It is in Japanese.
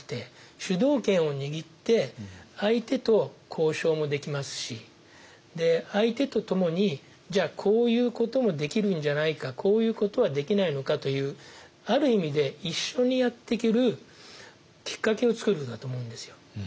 そうですね。もできますし相手とともにじゃあこういうこともできるんじゃないかこういうことはできないのかというある意味で一緒にやっていけるきっかけを作るんだと思うんですよ。